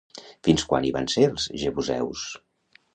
Fins quan hi van ser els jebuseus?